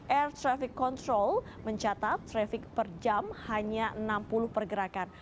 air traffic control mencatat traffic per jam hanya enam puluh pergerakan